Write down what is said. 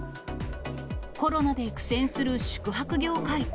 コロナで苦戦する宿泊業界。